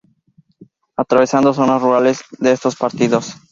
Atravesando zonas rurales de estos partidos.